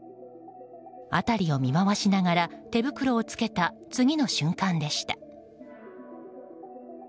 辺りを見回しながら手袋を着けた次の瞬間でした。